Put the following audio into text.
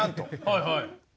はいはい。